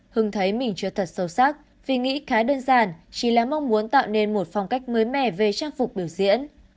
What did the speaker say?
hưng thấy mình chưa thật sâu sắc vì nghĩ khá đơn giản chỉ là mong muốn tạo nên một phong cách mới mẻ về trang phục biểu diễn